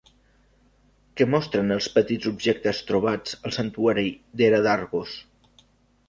Què mostren els petits objectes trobats al santuari d'Hera d'Argos?